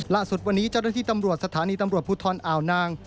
ล่าสุดวันนี้จริงที่ตำรวจสถานีตำรวจพุทธรอ่าวนาง